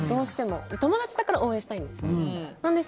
友達だから応援したいんです。